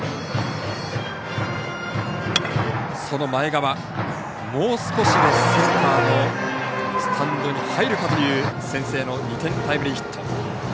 その前川、もう少しでセンターのスタンドに入るかという先制の２点タイムリーヒット。